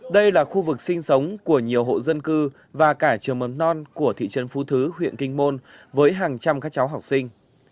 đây là khu vực sinh sống của nhiều hộ dân cư và cả trường mầm non của thị trấn phú thứ huyện kinh môn với hàng trăm các cháu học sinh